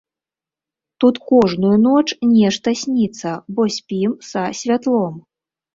Тут кожную ноч нешта сніцца, бо спім са святлом.